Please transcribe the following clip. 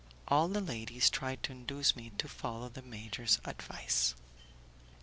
All the ladies tried to induce me to follow the major's advice.